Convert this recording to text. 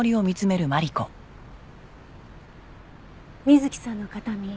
瑞希さんの形見。